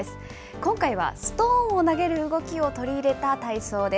今回はストーンを投げる動きを取り入れた体操です。